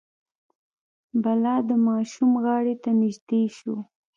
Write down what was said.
بلا د ماشوم غاړې ته نژدې شو.